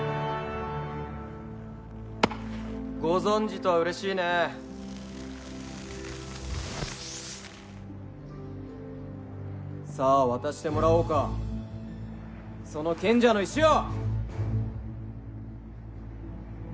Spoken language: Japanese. ご存じとは嬉しいねえさあ渡してもらおうかその賢者の石を！